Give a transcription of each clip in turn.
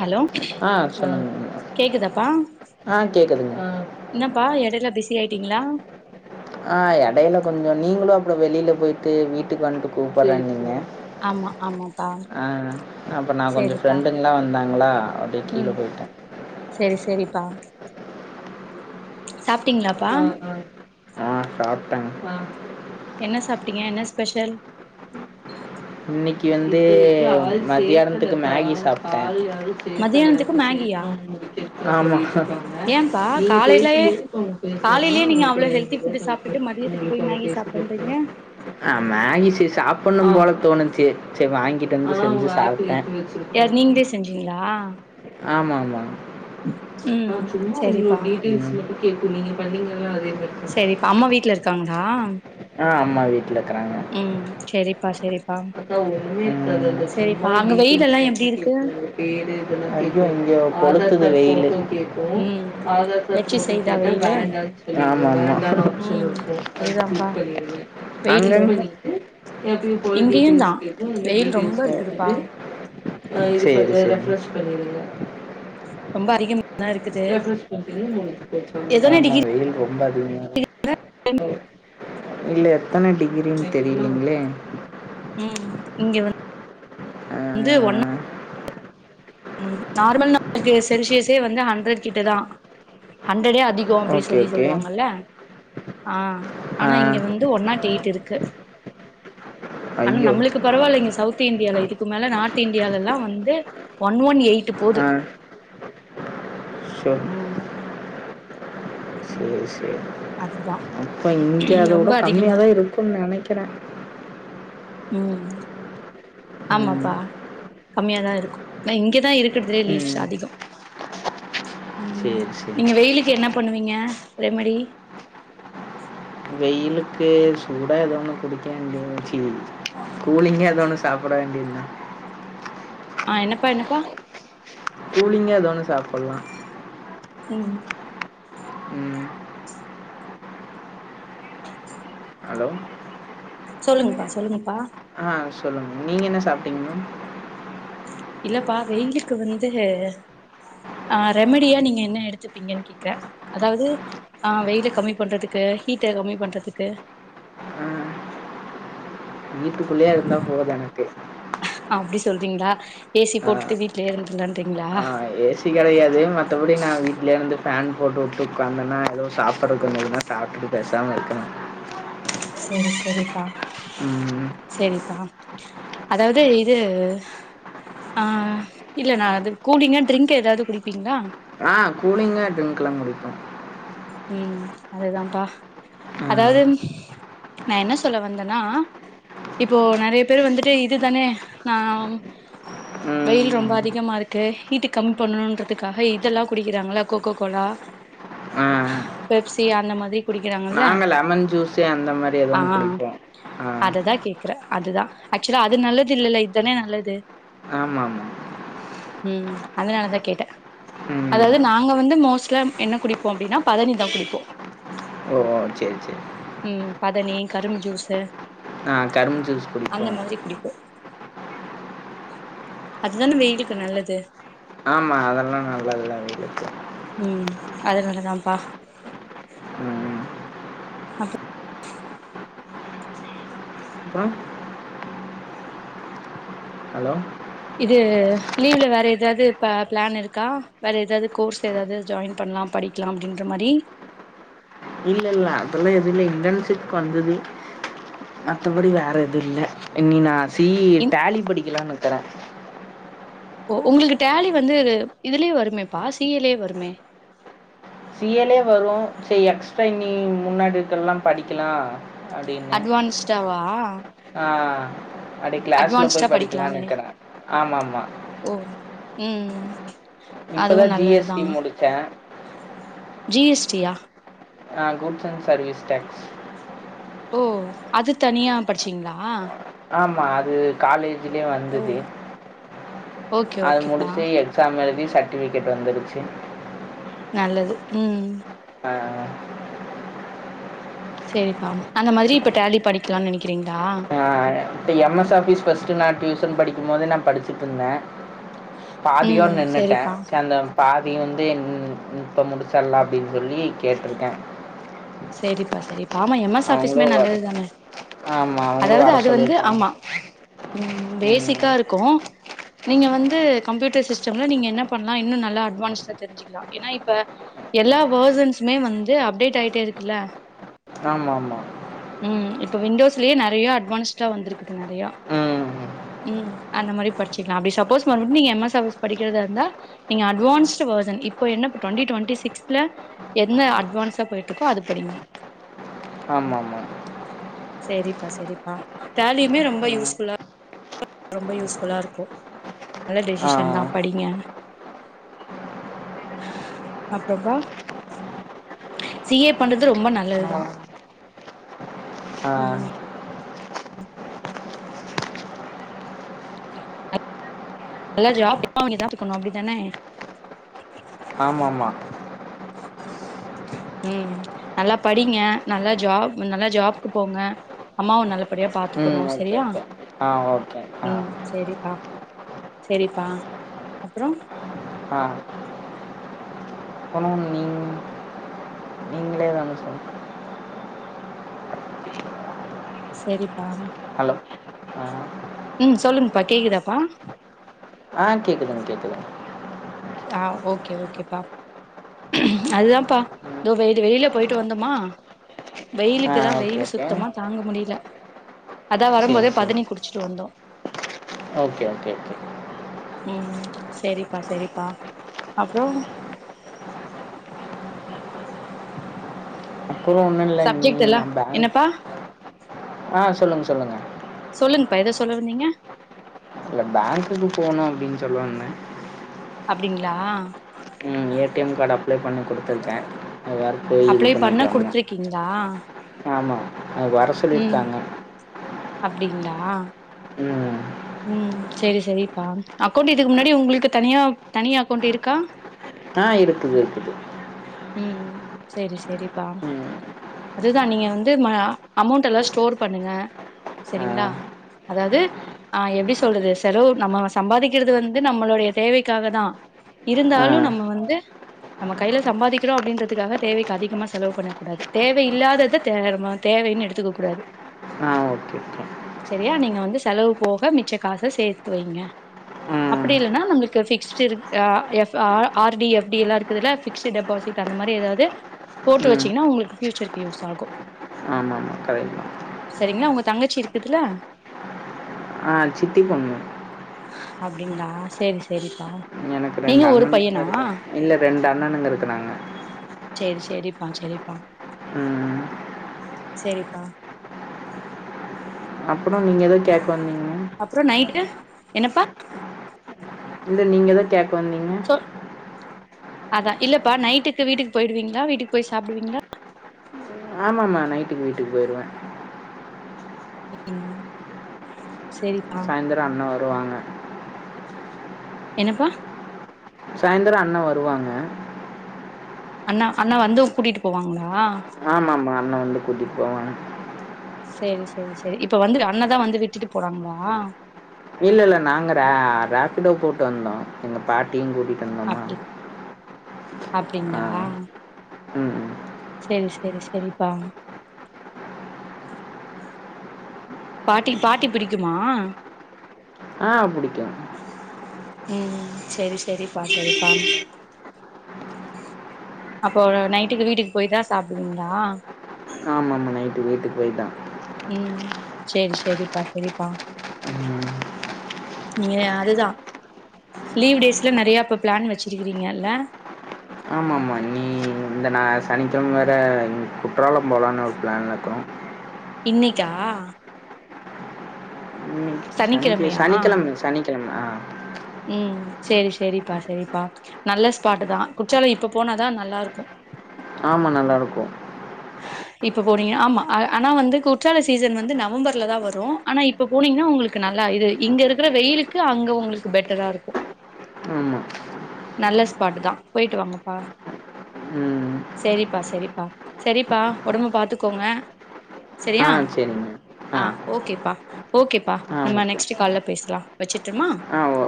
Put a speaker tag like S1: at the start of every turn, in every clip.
S1: Hello
S2: ஆ சொல்லுங்க
S1: கேக்குதாப்பா
S2: ஆ கேக்குதுங்க
S1: என்னப்பா எடையில பிஸியாயிட்டீங்களா
S2: அ எடையில கொஞ்சோ நீங்களு அப்றோ வெளியில போயிட்டு வீட்டுக்கு வந்துட்டு கூப்பலானிங்க
S1: ஆமா ஆமாப்பா
S2: அ அப்ப நா கொஞ்சோ
S1: சேரிப்பா
S2: ஃப்ரெண்டு எல்லா வந்தாங்களா அப்டி கீழ போயிட்டே
S1: செரி செரிப்பா சாப்ட்டிங்களா
S2: அ அ அ சாப்ட்டே
S1: என்ன சாப்ட்டீங்க என்ன ஸ்பெஷல்
S2: இன்னைக்கு வந்து மத்தியானத்துக்கு மேகி சாப்ட்டே சேத்தல
S1: மதியானத்துக்கு
S2: இப்ப
S1: மேகியா
S2: சேர்க்த்தணும்னு முடிக்க ஆமாங்காங்க
S1: ஏன்ப்பா
S2: நீங்க
S1: காலையிலயே
S2: பேசும்போது இப்ப பேசலாதுனா
S1: காலையிலயே நீங்க
S2: உங்களுக்கு
S1: அவ்ளோ ஹெல்தி
S2: ஒரு
S1: ஃபுட்டு
S2: கிக்கு
S1: சாப்ட்டுட்டு மதியத்துக்கு
S2: உங்களுக்கு
S1: போய்
S2: அவங்க
S1: மேகி
S2: பேசி கொடுத்த
S1: சாப்ட்டேன்றீங்க
S2: அ மேகி செ சாப்டணு போல தோணுச்சு சரி வாங்கிட்டு வந்து செஞ்சு சாப்ட்டே
S1: யார் நீங்களே செஞ்சீங்களா
S2: ஆமாமா
S1: ம்
S2: சும்மா
S1: சேரிப்பா
S2: ஓர் டிடைல்ஸ் கேக்கு நீங்கள பண்ணிங்கதா அதே மாரி தான்.
S1: செரிப்ப அம்மா வீட்ல இருக்காங்களா
S2: அ அம்மா வீட்டலருக்காங்க
S1: ம் செரிப்பா செரிப்பா
S2: அ ஆனா சும்மா
S1: அங்க வெயில்
S2: டீட்டெயில்ஸ்
S1: எல்லா
S2: மட்டு
S1: எப்டி இருக்கு
S2: கேட்கறது வேற [unintelligible]
S1: ம்
S2: ஆதாரத்த
S1: வெற்றி
S2: போட்டு
S1: செய்தா
S2: கேட்ட
S1: வெயிலு
S2: வேண்டானு
S1: ம் அதுதான்ப்பா
S2: சொல்றது
S1: வெயில் ரொம்ப
S2: [unintelligible] [unintelligible] நீ
S1: இங்கேயுந்தா
S2: கேட்டுட்டு
S1: வெயில் ரொம்ப
S2: டீடெயில்ஸ்
S1: இருக்குதுப்பா
S2: கேட்டுட்டு ரெப்ரஷ் பண்ணிடுங்க
S1: ரொம்ப அதிகம் எத்தன
S2: ஆமா
S1: டிகிரி
S2: வெயில் ரொம்ப அதிகமா இருக்கு இல்ல எத்தன டிகிரினு தெரிலீங்களே
S1: ம் இங்க
S2: ஆ
S1: வந்து ஒன்னா ம் நார்மல்னா த்தியே செல்சியஸே வந்து ஹண்ட்ரட் கிட்டதா ஹண்ட்ரடே அதிகோ அப்டினு
S2: ஓகே
S1: சொல்லி
S2: ஓகே
S1: சொல்லுவாங்கல்ல ஆ
S2: ஆ
S1: ஆனா இங்க வந்து ஒன் னாட் எயிட் இருக்கு
S2: அய்யோ
S1: பரவால்லைங்க சவுத் இந்தியாவுல இதுக்கு மேல நார்த் இந்தியால்லா வந்து ஒன் ஒன் எயிட்டு
S2: அ சொர்
S1: ம்
S2: சேரி சேரி
S1: அதுதா
S2: அப்ப இங்க அத விட
S1: ரொம்ப அதிகமா
S2: கம்மியாதா
S1: இரு
S2: இருக் குன்னு நெனக்கிறே
S1: ம்
S2: ம்
S1: ஆமாப்பா கம்மியா தா இருக்கு னா இங்க தா இருக்கிறதுலே லீஸ்ட்
S2: ம்
S1: அதிகோ ம்
S2: சரி
S1: நீங்க
S2: சரி
S1: வெயிலுக்கு என்ன பண்ணுவீங்க ரெமடி
S2: வெயிலுக்கு சூடா ஏதோ ஒண்ணு குடிக்க வேண்டியதுதா ச்சி கூலிங்கா ஏதோ ஒன்னு சாப்ட வேண்டியதா
S1: அ என்னப்பா என்னப்பா
S2: கூலிங்கா எதோ ஒன்னு சாப்லா
S1: ம்
S2: ம் அலோ
S1: சொல்லுங்கப்பா சொல்லுங்கப்பா
S2: ஆ சொல்லுங்க நீங்க என்ன சாப்டீங்க மேம்
S1: இல்லப்பா வெயிலுக்கு வந்து ஆ ரெமடியா நீங்க என்ன எடுத்துப்பீங்கன்னு கேக்குறே அதாவது ஆ வெயில கம்மி பண்றதுக்கு கீட்ட கம்மி பண்றதுக்கு
S2: ஆ வீட்டுக்குள்ளேயே இருந்தா போது எனக்கு
S1: அப்டி சொல்றீங்களா ஏசி
S2: ஆ
S1: போட்டுட்டு வீட்லயே இருந்துட்லாறீங்களா
S2: அப்டி கெடையாது மத்தபடி நா வீட்லேர்ந்து ஃபேன் போட்டு வுட்டு உக்காந்தேனா எதுவு சாப்பிறதுக்கு கொஞ்சோ இதுனா சாப்டுட்டு பேசாம இருக்கணு
S1: செரி செரிப்பா
S2: ம்
S1: செரிப்பா அதாவது இது ஆ இல்ல நா அது கூலிங்கா ட்ரிங்க் எதாது குடுப்பீங்களா
S2: ஆ கூலிங்கா ட்ரிங்க்லா குடிப்பே
S1: ம் அதுதாப்பா
S2: ஆ.
S1: அதாவது நா என்ன சொல்ல வந்தேன்னா இப்போ நெறைய பேரு வந்துட்டு இதுதானே நாம்
S2: ம்
S1: வெயில் ரொம்ப அதிகமாக இருக்கு கீட் கம்மி பண்ணணுன்றதுக்காக இதெல்லா குடிக்கிறாங்கள கோக்கோ கோலா
S2: ஆ.
S1: பெப்சி அந்த மாதிரி குடிக்கிறாங்கல்ல
S2: நாங்க லெமன் ஜூஸு அந்த மாரி எதோ ஒன்னு குடிப்போ ஆ
S1: திர அதுதா ஆக்சுலா அது நல்லது இல்லல்ல இதுதானே நல்லது
S2: ஆமாமா
S1: ம் அதனாலதா கேட்டே
S2: ம்.
S1: அதாவ்து நாங்க வந்து மோஸ்ட்லாம் என்ன குடிப்போ அப்டினா பதனிதாங் குடிப்போ
S2: ஓ ஓ சேரி சேரி
S1: ம் பதனி கரும் ஜூஸு
S2: நா கரும் ஜூஸ் குடிப்போ
S1: டி குடிப்போ அதுதானே வெயிலுக்கு நல்லது
S2: ஆமா அதெல்லா நல்லதுதா வெயிலுக்கு
S1: ம் அதுனாலதாம்ப்பா
S2: ம் ம் அப்றோ ஹலோ
S1: இது லீவ்ல வேற எதாது ப பிளான் இருக்கா வேற எதாது கோர்ஸ் எதாது ஜாயின் பண்லாம் படிக் க்லா அப்டின்ற மாரி
S2: இல்ல இல்ல அதெல்லா எது இல்ல இன்டர்ன்ஷிப்கு வந்தது மத்தபடி வேற எது இல்ல இனி நா சீ இ
S1: இன்
S2: டேலீ படிகிலானு இக்கறே
S1: ஓ உங்ளுக்கு டேலி வந்து இதுலியே வருமேப்பா சீ ஏலேயே வருமே
S2: சீ ஏ யேலே வரு சே எக்ஸ்ட்ரா இனி முன்னாடி இருக்றல்லாம் படிக்கிலா
S1: அட்வான்ஸ்ட்டாவா
S2: ஆ அடியே க்ளாஸ்ல போய்
S1: படிக்கலான்
S2: படிக்லானு
S1: நெனை
S2: இக்கறே ஆமா மா
S1: ஓ ம் அதுவு
S2: இப்பதா ஜி எஸ்
S1: நல்லதுதா
S2: டி முடிச்சே
S1: ஜி எஸ் டியா
S2: ஆ குட்ஸ் அண்ட் சர்வீஸ் டேக்ஸ்
S1: ஓ அதுத் தனியாப் படிச்சீங்ளா
S2: ஆமா அது காலேஜூலியே
S1: ஓ
S2: வந்தது
S1: ஓகே
S2: அத
S1: ஓகேப்பா
S2: முடிச்சி எக் க்ஷாம் எழுதி சர்டிஃபிகேட் வந்துருச்சி
S1: நல்லது ம்
S2: அ அ
S1: சேரிப்பா அந்த மாரி இப்ப டேலிப் படிக்லான் நெனைக்றீங்ளா
S2: ஆ இப்ப எம் எஸ் ஆஃபீஸ் ஃபர்ஸ்ட்டு நா டியூஷன் படிக்கம்மோது நாப் படிச்சிட்ருந்தே பாதியோட்
S1: ம்
S2: நின்னுட்டே
S1: சேரிப்பா
S2: சேந்தம் பாதி வந்து இன் இப்ப முடிச்சல்லா அப்டின் சொல்லி கேட்ருக்கே
S1: சேரிப்பா செரிப் ஆமா எம் எஸ்
S2: அவங்களு
S1: ஆஃபிஸ்மே
S2: வர
S1: நல்லதுதானே
S2: ஆமா அவங்களு
S1: அதாவ்து
S2: வர
S1: அது வந்து
S2: சொல்லியிருக்காங்க
S1: ஆமா ம் பேசிக்கா
S2: ம்
S1: இருக்கு நீங்க வந்து கம்யூட்டர் சிஸ்டம்ல நீங்க என்னப் பண்லா இன்னு நல்லா அட்வான்ட்ஸா தெரிஞ்சிக் யா எனா இப்ப எல்லா வேர்சன்ஸுமே வந்து அப்டேட் ஆயிட்டே இருக்குல்ல
S2: ஆமா மா
S1: ம் இப்போ விண்டோஸ்லியே நெறைய அட்வான்ஸ்டா வந்துருக்குது நெறையா
S2: ம்
S1: ம் அந்த மாரி படிச்சிக்லா அப்டி சப்போஸ் மறுப்டியு நீங்க எம் எஸ் ஆஃபிஸ் படிகறதாருந்தா நீங்க அட்வான்ஸ்டு வேர்ஷன் இப்ப என்னப் டுவெண்டி டுவெண்டி சிக்ஸ்ல என்ன அட்வான்ஸா போயிட்ருக்கோ அது படிங்க
S2: ஆமா மா
S1: சேரிப்பா செரிப்பா டேலியுமே ரொம்ப
S2: ம்
S1: யூஸ் ஃபுல்லா ரொம்ப யூஸ்ஃபுல்லா இருக்கோ நல்ல
S2: ஆ
S1: டிசிஷன் தா படிங்க அப்புறம்பா சி ஏ பண்றது ரொம்ப நல்லதுதா
S2: ஆ ஆ
S1: உம் நல்லா ஜாப்ங்க [unintelligible] அப்டி தானே
S2: ஆம்மாமா
S1: உம் நல்லா படிங்க நல்லா ஜாப் நல்லா ஜாப்கு போங்க அம்மாவ நல்லபடியா பாத்துக்கணு
S2: ம் ஓகே
S1: செரியா
S2: ஓகே ஆ ஓகே ஆ
S1: உம் செரிப்பா செரிப்பா அப்றோ
S2: ஆஹ [unintelligible] நீங்ளே தாங்க சொல்னு
S1: செரிப்பா
S2: ஹலோ ஆஹ
S1: ம் சொல்லுங்ப்பா கேக்குதாப்பா
S2: ஆஹ கேக்குதுங் கேக்குதுங்
S1: ஆஹ ஓகே ஓகேப்பா அதுதாப்பா
S2: ம்
S1: இதோ வெயிலு வெயில்லே போயிட்டு வந்தோமா
S2: ஆ
S1: வெயிலுக்குதா
S2: ஓகே
S1: வெயிலு
S2: ஓகே
S1: சுத்தமா தாங்க முடில அதா
S2: சரி
S1: வரும்போதே
S2: சரி
S1: பதனி குடிச்சிட்டு வந்தோ
S2: ஓகே ஓகே ஓகே
S1: உம் செரிப்பா செரிப்பா அப்றோ
S2: அப்றோ ஒன்னு இல்லநீ
S1: சப்ஜெக்ட் எல்லா
S2: நா பேங்க்
S1: என்னப்பா
S2: ஆஹ சொல்லுங்க சொல்லுங்க
S1: சொல்லுங்ப்பா ஏதோ சொல்லவந்தீங்க
S2: இல்ல பேங்க்குக்கு போனோ அப்டின்னு சொல்வந்தே
S1: அப்டிங்களா
S2: A T M card apply பண்ண குடுத்துருக்க அது வேற போய் இது
S1: அப்ளை பண்ண
S2: பண்ணிட்டு வரணும்.
S1: குடுத்துருக்கீங்களா
S2: ஆமா அ வர
S1: ம்
S2: சொல்லியிருக்காங்க
S1: அப்டிங்களா
S2: உம்
S1: ம் செரி செரிப்பா அக்கௌண்ட் இதுக்கு முன்னாடி உங்ளுக்கு தனியா தனியா அக்கௌண்ட் இருக்கா
S2: ஆ இருக்குது இருக்குது
S1: ம் செரி செரிப்பா
S2: ம்.
S1: அதுதா நீங்க வந்து ம அமௌண்ட் எல்லா ஸ்டோர் பண்ணுங்க
S2: ஆ.
S1: செரிங்களா அதாவ்து ஆ எப்டி சொல்றது செலவு நம்ம சம்பாதிக்கிறது வந்து நம்மளுடைய தேவைக்காக தா
S2: ஆ.
S1: இருந்தாலு நம்ம வந்து நம்ம கைல சம்பாதிக்கிறோ அப்டின்றதுக்காக தேவைக் அதிகமா செலவு பண்ணக் கூடாது தேவ இல்லாதத தேவமா தேவைன்னு எடுத்துக்க கூடாது
S2: ஆ ஓகே, ஓகே.
S1: செரியா நீங்க வந்து செலவு போக மிச்ச காச சேத்து வைங்க
S2: ம்.
S1: அப்டி இல்லனா நம்ளுக்கு பிக்ஸ்டு இருக் எஸ் ஆர்டி எஃப் டிலா இருக்குதுல பிக்ஸ்ட் டெபாசிட் அந்த மாரி எதாவது போட்டு வெச்சீங்கனா உங்ளுக்கு பியூச்சர்க்கு யூஸ் ஆகு
S2: ஆம்மாமா கரெக்ட் தா
S1: செரிங்களா உங்க தங்கச்சி இருக்குதுல்ல
S2: ஆ சித்தி பொண்ணு
S1: அப்டிங்களா செரி செரிப்பா
S2: எனக்கு ரெண்டு அண்ணனுங்க தா இருக்குறாங்க இல்ல ரெண்டு அண்ணனுங்க இருக்குறாங்க
S1: சேரி சேரிப்பா சேரிப்பா
S2: ம்
S1: சேரிப்பா
S2: அப்றோ நீங்க ஏதோ கேக்க வந்தீங்க
S1: அப்றோ நைட்டு என்னப்பா
S2: இல்ல நீங்க எதோ கேக்க வந்தீங்க
S1: சொ அதா இல்லப்பா நைட்டுக்கு வீட்டுக்கு போயிடுவீங்களா வீட்டுக்கு போய் சாப்பிடுவீங்களா
S2: ஆமா‌ம் மா நைட்டுக்கு வீட்டுக்கு போயிருவே
S1: ம் சேரிப்பா
S2: அப்ப தா அண்ண வருவாங்க
S1: என்னப்பா
S2: சாய்ந்தரோ அண்ண வருவாங்க
S1: அண்ணா அண்ணா வந்து கூட்டிட்டு போவாங்களா
S2: ஆமா ஆமா அண்ண வந்து கூட்டிட்டு போவாங்க
S1: சேரி சேரி சேரி இப்ப வந்து அண்ணதா வந்து விட்டுட்டு போறாங்களா
S2: இல்ல இல்ல நாங்க ராபிட்டோ போட்டு வந்தோ எங்க பாட்டியு கூட்டி
S1: அப்டி
S2: ஆ.
S1: அப்டிங்களா
S2: ம் ம்
S1: சேரி சேரி சேரிப்பா பாட்டி பாட்டி பிடிக்குமா
S2: ஆ புடிக்கு
S1: ம் ம் சேரி சேரிப்பா சேரிப்பா அப்போ ஒரு நைட்டுக்கு வீட்டுக்கு போய் தா சாப்டுவீங்களா
S2: ஆமாம்மா நைட்டு வீட்டுக்கு போய் தா
S1: ம் சேரி சேரிப்பா சேரிப்பா
S2: ம்
S1: நீங்க அழுதா லீவ் டேஸ்ல நிறையா அப்போ பப்ளான் வச்சுருக்கீங்கல்ல
S2: ஆம் ஆமா நீ இந்த நா சனிக்கிழமை வேற குற்றாலோ போலான்னு ஒரு பிளான்ல இருக்குறோ
S1: இன்னிக்கா
S2: ம் சனிக்கே
S1: சனிக்கிழமையா
S2: சனிக்கிழமை சனிக்கிழமை ஆ
S1: ம் ம் சேரி ‌சேரிப்பா சேரிப்பா நல்ல ஸ்பாட்டு் தா குற்றாலோ இப்ப போனாதா நல்லா இருக்கூ
S2: ஆமா நல்லாருக்கும்
S1: இப்ப போனீங்க ஆமா ஆ ஆனா வந்து குற்றால சீசன் வந்து நவம்பர்ல தா வரு ஆனா இப்ப போனீங்கன்னா உங்களுக்கு நல்லா இது இங்க இருக்கிற வெயிலுக்கு அங்க உங்களுக்கு பெட்டரா இருக்கும்
S2: ம்
S1: நல்ல ஸ்பாட்டு தா போயிட்டு வாங்கப்பா
S2: ம்.
S1: செரிப்பா செரிப்பா சேரிப்பா உடம்ப பாத்துக்கோங்க
S2: ஆ
S1: சேரியா
S2: சரிங்க.
S1: ஆ ஓகேப்பா ஓகேப்பா
S2: ஆ
S1: நம்ம
S2: ஓகே.
S1: நெக்ஸ்டு கால்ல பேசலா வச்சிர்ட்டுமா
S2: ஆ ஓ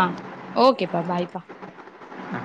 S1: ஆ ஓகேப்பா பாய்பா
S2: ஆ.